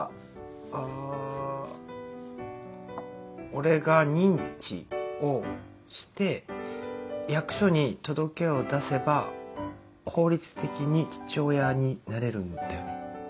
俺が認知をして役所に届けを出せば法律的に父親になれるんだよね？